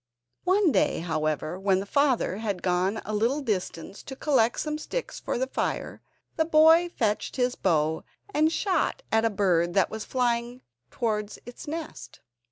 One day, however, when the father had gone to a little distance to collect some sticks for the fire, the boy fetched his bow, and shot at a bird that was just flying towards its nest.